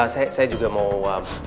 saya juga mau